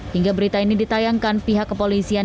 hingga berita ini ditayangkan pihak kepolisian